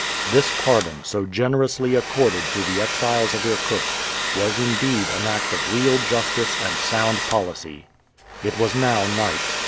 This pardon, so generously accorded to the exiles of Irkutsk, was indeed an act of real justice and sound policy. It was now night.